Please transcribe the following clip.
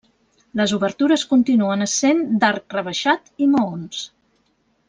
Les obertures continuen essent d'arc rebaixat i maons.